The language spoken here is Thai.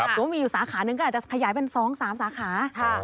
หรือว่ามีอยู่สาขาหนึ่งก็อาจจะขยายเป็น๒๓สาขา